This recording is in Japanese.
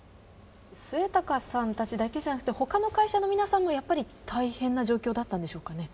末高さんたちだけじゃなくて他の会社の皆さんもやっぱり大変な状況だったんでしょうかね？